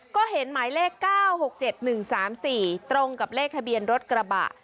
ก็เห็นหมายเลข๙๖๗๑๓๔ตรงกับเลขทะเบียนรถกระบะ